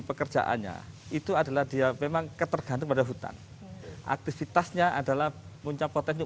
pekerjaannya itu adalah dia memang ketergantung pada hutan aktivitasnya adalah punya potensi